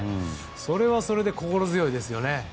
それはそれで心強いですよね。